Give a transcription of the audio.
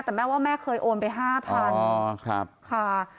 แต่แม่ว่าแม่เคยโอนไป๕๐๐๐อ๋อครับค่ะ